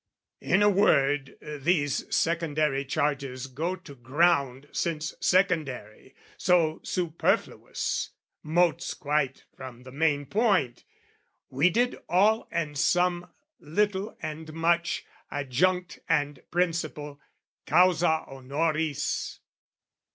In a word, These secondary charges go to ground, Since secondary, so superfluous, motes Quite from the main point: we did all and some, Little and much, adjunct and principal, Causa honoris.